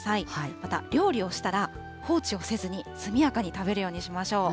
また、料理をしたら、放置をせずに速やかに食べるようにしましょう。